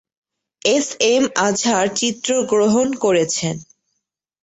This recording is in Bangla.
এসএম আজহার চিত্র গ্রহণ করেছেন।